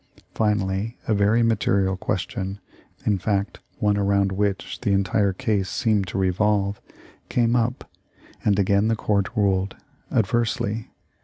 Finally, a very material question, in fact one around which the en tire case seemed to revolve, came up, and again the Court ruled adversely.